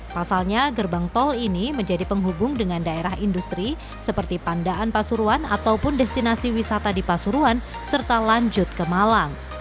pasalnya gerbang tol ini menjadi penghubung dengan daerah industri seperti pandaan pasuruan ataupun destinasi wisata di pasuruan serta lanjut ke malang